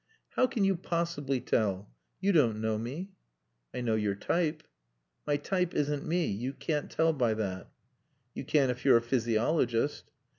"How can you possibly tell? You don't know me." "I know your type." "My type isn't me. You can't tell by that." "You can if you're a physiologist."